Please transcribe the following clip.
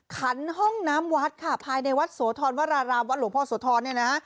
ขันห้องน้ำวัดค่ะภายในวัดโสธรวรารามวัดหลวงพ่อโสธรเนี่ยนะฮะ